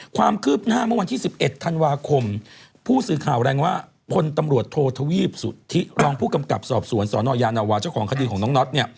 ความคืบหน้าเมื่อวันที่๑๑ธันวาคมผู้สื่อข่าวแรงว่าพลตำรวจโทษวีปสุธิรองผู้กำกับสอบสวนสนยานาวาเจ้าของคดีของน้องน็อตเนี่ย